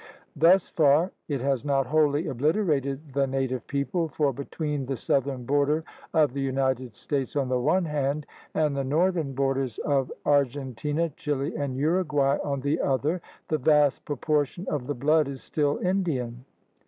Thus far it has not wholly obliterated the native people, for between the southern border of the United States on the one hand, and the northern borders of Ar gentina, Chile, and Uruguay on the other, the vast proportion of the blood is still Indian.